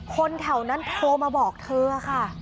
คนแถวนั้นโทรมาบอกเธอค่ะ